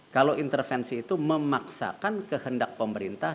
kalau intervensi itu memaksakan kehendak pemerintah